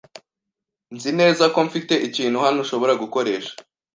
Nzi neza ko mfite ikintu hano ushobora gukoresha.